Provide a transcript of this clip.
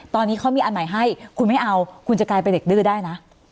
ตอนนี้เขามีอันใหม่ให้คุณไม่เอาคุณจะกลายเป็นเด็กดื้อได้นะ